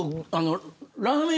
ラーメン